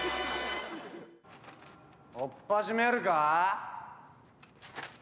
「おっぱじめるか？」